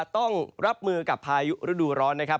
ต้องรับมือกับพายุฤดูร้อนนะครับ